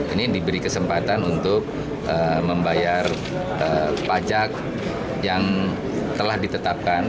ini diberi kesempatan untuk membayar pajak yang telah ditetapkan